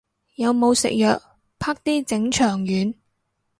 有冇食藥，啪啲整腸丸